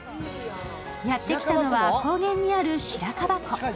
やってきたのは高原にある白樺湖。